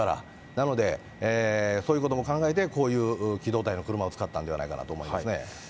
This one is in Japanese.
なのでそういうことも考えて、こういう機動隊の車を使ったんではないかなと思いますね。